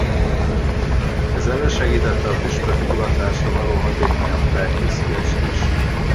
Ez elősegítette a püspöki hivatásra való hatékonyabb felkészülést is.